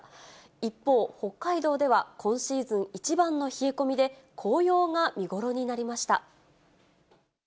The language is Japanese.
一方、北海道では今シーズン一番の冷え込みで、紅葉が見頃になりました。